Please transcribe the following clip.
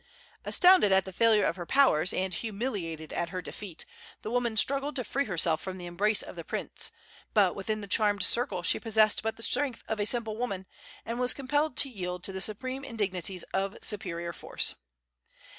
Astounded at the failure of her powers, and humiliated at her defeat, the woman struggled to free herself from the embrace of the prince; but within the charmed circle she possessed but the strength of a simple woman, and was compelled to yield to the supreme indignities of superior force.